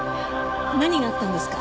何があったんですか？